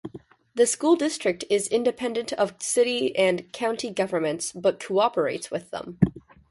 The school district is independent of city and county governments, but cooperates with them.